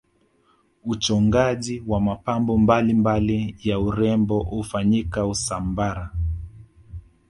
uchongaji wa mapambo mbalimbali ya urembo hufanyika usambara